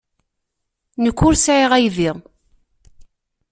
Nekk ur sɛiɣ aydi.